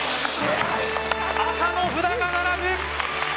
赤の札が並ぶ！